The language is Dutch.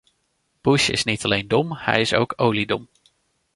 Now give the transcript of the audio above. Bush is niet alleen dom, hij is ook oliedom.